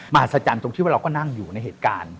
หัศจรรย์ตรงที่ว่าเราก็นั่งอยู่ในเหตุการณ์